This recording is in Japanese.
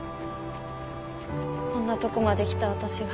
こんなとこまで来た私が。